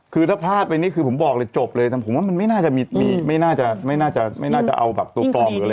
คือถ้าพลาดไปนี้คือผมบอกเลยจบเลยแต่ผมว่ามันไม่น่าจะมีไม่น่าจะเอาตัวตอบหรืออะไรมา